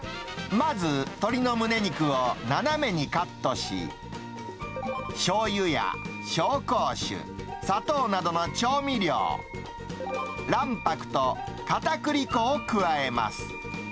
まず、鶏のむね肉を斜めにカットし、しょうゆや紹興酒、砂糖などの調味料、卵白とかたくり粉を加えます。